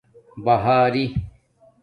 بہاری